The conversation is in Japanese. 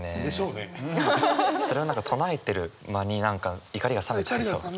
それを何か唱えてる間に何か怒りが冷めちゃいそう。